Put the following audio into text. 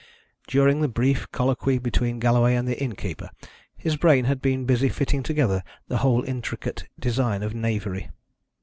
During the brief colloquy between Galloway and the innkeeper his brain had been busy fitting together the whole intricate design of knavery.